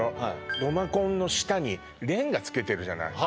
土間コンの下にレンガつけてるじゃない？